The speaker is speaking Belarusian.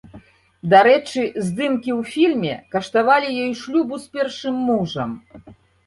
Дарэчы, здымкі ў фільме каштавалі ёй шлюбу з першым мужам.